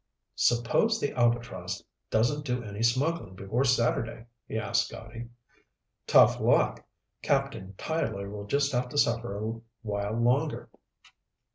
"Suppose the Albatross doesn't do any smuggling before Saturday?" he asked Scotty. "Tough luck. Captain Tyler will just have to suffer a while longer.